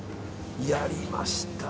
やりました！